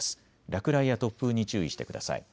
落雷や突風に注意してください。